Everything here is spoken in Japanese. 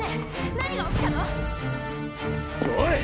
何が起きたの⁉おい！